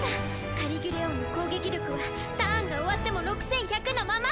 カリギュレオンの攻撃力はターンが終わっても６１００のまま！